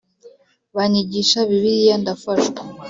banyigisha Bibiliya ndafashwa